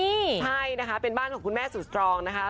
ใช่นะคะเป็นบ้านของคุณแม่สุดสตรองนะคะ